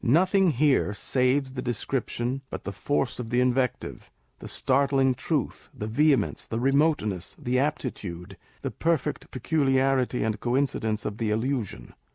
Nothing here saves the description but the force of the invective ; the start ling truth, the vehemence, the remoteness, the aptitude, the perfect peculiarity and coincidence of the allusion.